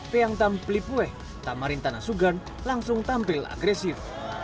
peang tam plipwe tamarin tanah sugan langsung tampil agresif